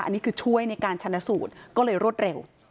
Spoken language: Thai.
อันนี้คือช่วยในการชนะสูตรก็เลยรวดเร็ว